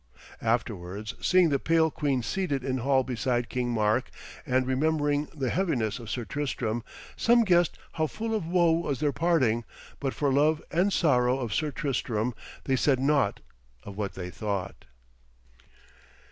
Afterwards, seeing the pale queen seated in hall beside King Mark, and remembering the heaviness of Sir Tristram, some guessed how full of woe was their parting, but for love and sorrow of Sir Tristram they said naught of what they thought.